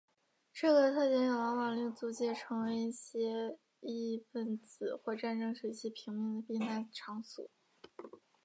这个特点也往往令租界成为一些异议份子或战争时期平民的避难场所。